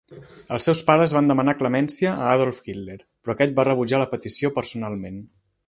Els seus pares van demanar clemència a Adolf Hitler, però aquest va rebutjar la petició personalment.